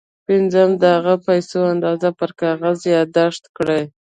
پنځم د هغو پيسو اندازه پر کاغذ ياداښت کړئ.